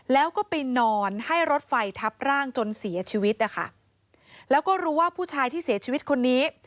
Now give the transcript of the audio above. แล้วก็ไปนอนให้รถไฟทับร่างจนเสียชีวิตนะคะแล้วก็รู้ว่าผู้ชายที่เสียชีวิตคนนี้